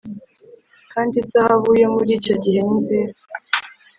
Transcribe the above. Kandi izahabu yo muri icyo gihugu ni nziza